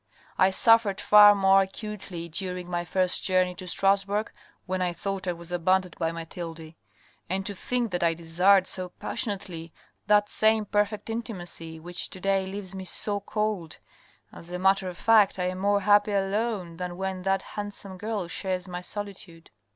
" I suffered far more acutely during my first journey to Stras bourg, when I thought I was abandoned by Mathilde — and to think that I desired so passionately that same perfect intimacy which to day leaves me so cold — as a matter of fact I am more happy alone than when that handsome girl shares my solitude."